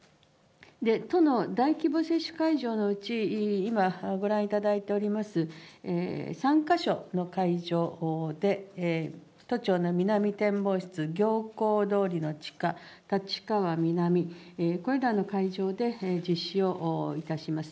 都の大規模接種会場のうち、今、ご覧いただいております、３か所の会場で、都庁の南展望室、行幸通りの地下、立川南、これらの会場で実施をいたします。